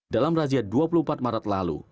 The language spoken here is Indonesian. dalam razia dua puluh empat maret lalu